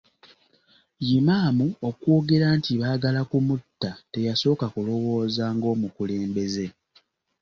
Imam okwogera nti baagala ku mutta, teyasooka kulowooza ng'omukulembeze.